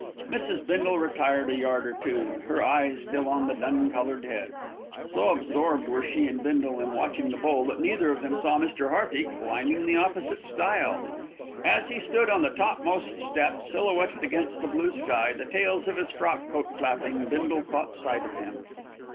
Mrs. Bindle retired a yard or two, her eyes still on the dun coloured head. So absorbed were she and Bindle in watching the bull, that neither of them saw Mr. Hearty climbing the opposite stile. As he stood on the topmost step, silhouetted against the blue sky, the tails of his frock coat flapping, Bindle caught sight of him.